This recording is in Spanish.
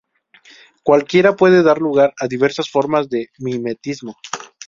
Cualquiera puede dar lugar a diversas formas de mimetismo.